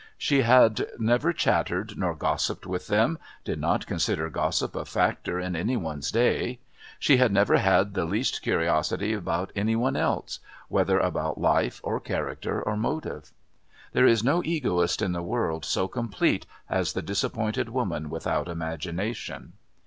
She had never chattered nor gossiped with them, did not consider gossip a factor in any one's day; she had never had the least curiosity about any one else, whether about life or character or motive. There is no egoist in the world so complete as the disappointed woman without imagination.